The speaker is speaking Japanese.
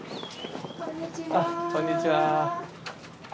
あっこんにちは。